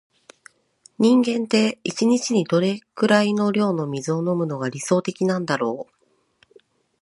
人間って、一日にどれくらいの量の水を飲むのが理想的なんだろう。